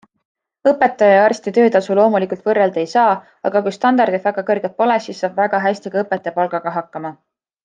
Õpetaja ja artisti töötasu loomulikult võrrelda ei saa, aga kui standardid väga kõrged pole, siis saab väga hästi ka õpetaja palgaga hakkama.